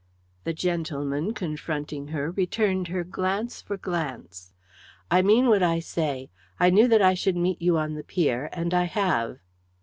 The gentleman, confronting her, returned her glance for glance. "I mean what I say. I knew that I should meet you on the pier and I have."